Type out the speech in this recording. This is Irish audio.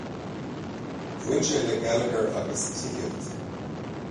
Bhain sé le geilleagar agus tithíocht.